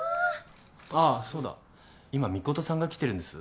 あっそうだ今ミコトさんが来てるんです。